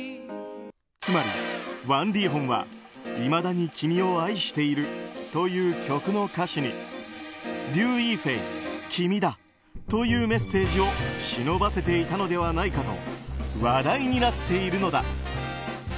つまり、ワン・リーホンは「いまだに君を愛している」という曲の歌詞に「リウ・イーフェイ、君だ」というメッセージを忍ばせていたのではないかと話題になっているのだ。